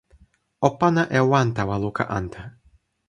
o pana e wan tawa luka ante.